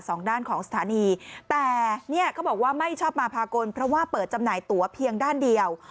สองด้านของสถานีแต่เนี่ยเขาบอกว่าไม่ชอบมาพากลเพราะว่าเปิดจำหน่ายตัวเพียงด้านเดียว